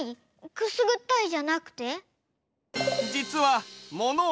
くすぐったいじゃなくて？